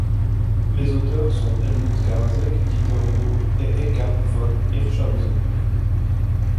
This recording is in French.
Les auteurs sont Hellmuth Karasek, Dieter Nuhr et Eckart von Hirschhausen.